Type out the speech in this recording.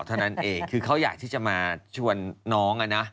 เท่านั้นเองคือเขาอยากที่จะมาชวนน้องอ่ะนะ